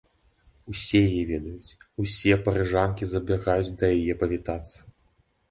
Усе яе ведаюць, усе парыжанкі забягаюць да яе павітацца.